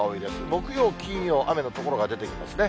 木曜、金曜、雨の所が出てきますね。